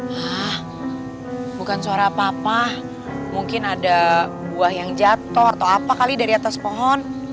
hah bukan suara apa apa mungkin ada buah yang jatuh atau apa kali dari atas pohon